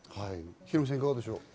ヒロミさん、いかがでしょうか？